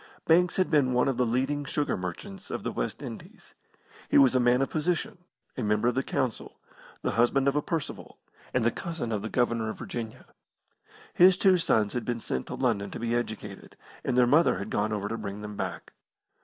Banks had been one of the leading sugar merchants of the West Indies. He was a man of position, a member of the Council, the husband of a Percival, and the cousin of the Governor of Virginia. His two sons had been sent to London to be educated, and their mother had gone over to bring them back.